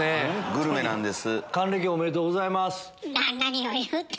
グルメなんです。